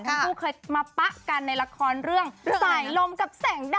ทั้งคู่เคยมาปะกันในละครเรื่องสายลมกับแสงดัง